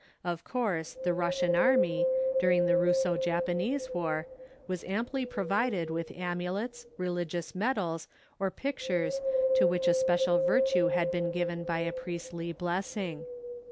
Of course the Russian army, during the Russo Japanese War, was amply provided with amulets, religious medals or pictures to which a special virtue had been given by a priestly blessing.